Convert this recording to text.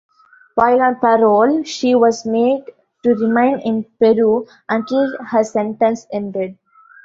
While on parole, she was made to remain in Peru until her sentence ended.